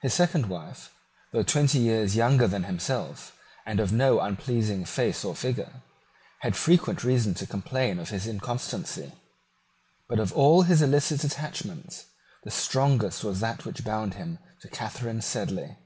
His second wife, though twenty years younger than himself, and of no unpleasing face or figure, had frequent reason to complain of his inconstancy. But of all his illicit attachments the strongest was that which bound him to Catharine Sedley.